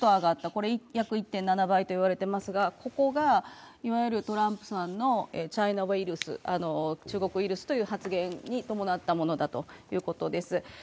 これ約１．７倍と言われていますが、ここがいわゆるトランプさんの「チャイナウイルス」「中国ウイルス」という発言に伴ったものだといわれています。